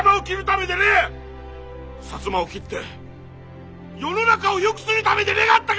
摩を斬って世の中をよくするためでねがったが？